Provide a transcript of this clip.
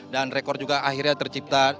dan rekor juga akhirnya tercipta